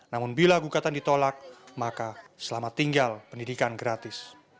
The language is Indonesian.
namun bila gugatan ditolak maka selamat tinggal pendidikan gratis